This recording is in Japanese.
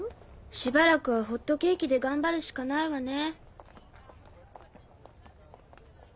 しばらくはホットケーキで頑張るしかないわね。